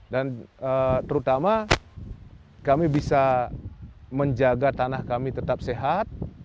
dan terutama kami bisa menjaga tanah kami tetap sehat